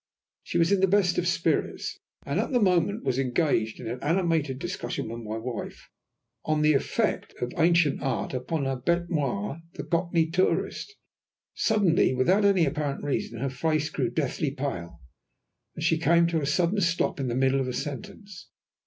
She was in the best of spirits, and at the moment was engaged in an animated discussion with my wife on the effect of Ancient Art upon her bête noir, the Cockney tourist. Suddenly, without any apparent reason, her face grew deathly pale, and she came to a sudden stop in the middle of a sentence.